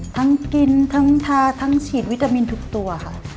กินทั้งทาทั้งฉีดวิตามินทุกตัวค่ะ